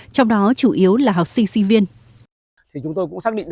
trong đó chủ yếu là học sinh sinh viên